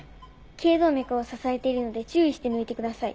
頸動脈を支えているので注意して抜いてください。